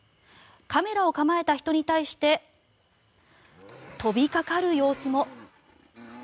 カメラを構えた人に対して飛びかかる様子も。